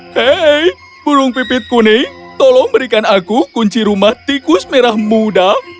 hei burung pipit kuning tolong berikan aku kunci rumah tikus merah muda